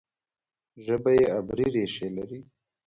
ژبه یې عبري ریښې لري.